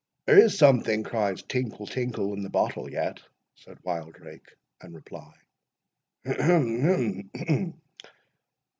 "There is something cries tinkle, tinkle, in the bottle yet," said Wildrake, in reply. "Hem! hem! hem!"